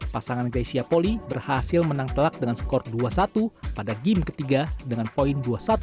pasangan grecia poli berhasil menang telak dengan skor dua satu pada game ketiga dengan poin dua satu